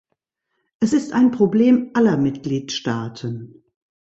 Es ist ein Problem aller Mitgliedstaaten.